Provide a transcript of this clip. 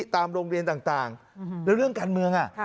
ตามโรงเรียนต่างแล้วเรื่องการเมือง